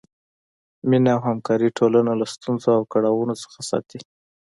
مینه او همکاري ټولنه له ستونزو او کړاوونو څخه ساتي.